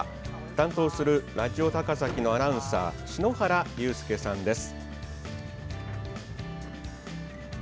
担当するラジオ高崎のアナウンサー、篠原悠介さんです。